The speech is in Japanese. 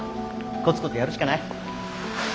コツコツやるしかない。